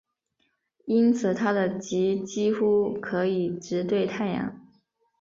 因此它的极几乎可以直对太阳。